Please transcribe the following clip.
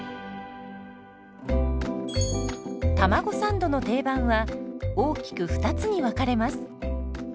たまごサンドの定番は大きく２つに分かれます。